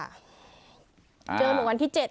เจอหนูวันที่เจ็ด